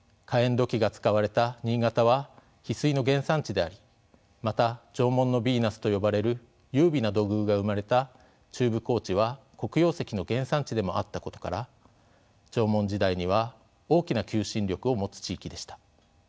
土器が使われた新潟は翡翠の原産地でありまた「縄文のビーナス」と呼ばれる優美な土偶が生まれた中部高地は黒曜石の原産地でもあったことから縄文時代には大きな求心力を持つ地域でした。